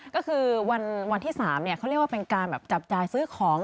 ก็คือวันที่๓เขาเรียกว่าเป็นการแบบจับจ่ายซื้อของ